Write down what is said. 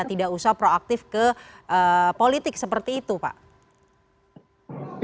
tidak usah proaktif ke politik seperti itu pak